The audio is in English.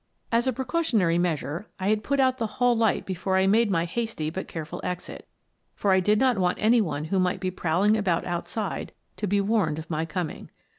As a precautionary measure, I had put out the hall light before I made my hasty but careful exit, for I did not want any one who might be prowling about outside to be warned of my coming.